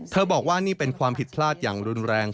บอกว่านี่เป็นความผิดพลาดอย่างรุนแรง